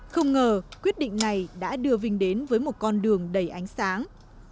không ngờ quyết định này đã đưa vinh đến với một con đường đầy ánh sáng